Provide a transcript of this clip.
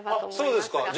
そうですか！